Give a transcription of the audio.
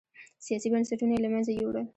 سیاسي بنسټونه یې له منځه یووړل.